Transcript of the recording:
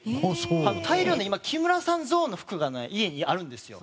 大量の木村さんゾーンの服が家にあるんですよ。